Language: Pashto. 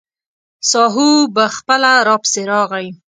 ساهو به خپله راپسې راغی.